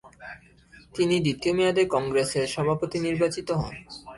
তিনি দ্বিতীয় মেয়াদে কংগ্রেসের সভাপতি নির্রাচিত হন।